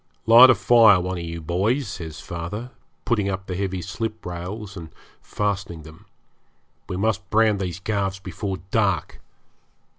'Light a fire, one of you boys,' says father, putting up the heavy sliprails and fastening them. 'We must brand these calves before dark.